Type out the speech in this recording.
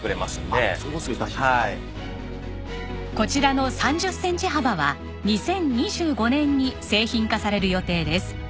こちらの３０センチ幅は２０２５年に製品化される予定です。